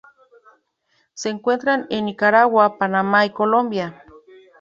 Se encuentra en Nicaragua, Panamá y Colombia.